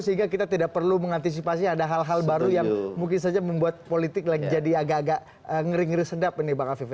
sehingga kita tidak perlu mengantisipasi ada hal hal baru yang mungkin saja membuat politik lagi jadi agak agak ngeri ngeri sedap ini bang afifa